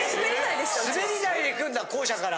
滑り台で行くんだ校舎から。